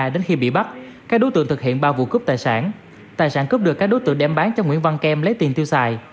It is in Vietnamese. đến khi bị bắt các đối tượng thực hiện ba vụ cướp tài sản tài sản cướp được các đối tượng đem bán cho nguyễn văn kem lấy tiền tiêu xài